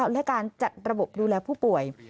และการจัดระบบดูแลผู้ป่วย